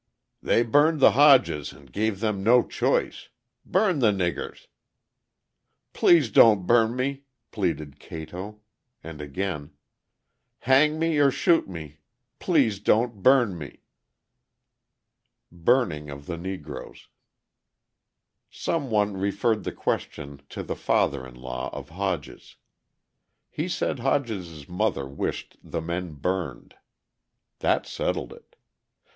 "They burned the Hodges and gave them no choice; burn the niggers!" "Please don't burn me," pleaded Cato. And again: "Hang me or shoot me; please don't burn me!" Burning of the Negroes Some one referred the question to the father in law of Hodges. He said Hodges's mother wished the men burned. That settled it.